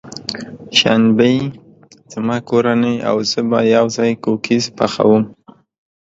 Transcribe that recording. شنبه، زما کورنۍ او زه به یوځای کوکیز پخوم.